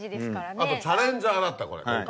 あとチャレンジャーだった今回。